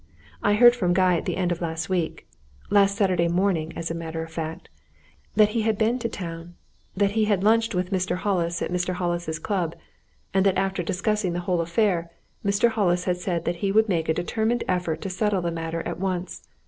I heard from Guy at the end of last week last Saturday morning, as a matter of fact that he had been to town, that he had lunched with Mr. Hollis at Mr. Hollis's club, and that after discussing the whole affair, Mr. Hollis said that he would make a determined effort to settle the matter at once.